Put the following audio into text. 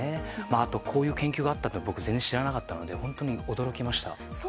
あと、こういう研究があったことを僕は全然知らなかったので本当に驚きました。